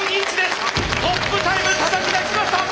トップタイムたたき出しました！